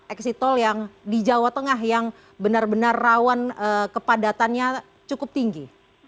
exit tol yang di jawa tengah yang benar benar rawan kepadatannya cukup tinggi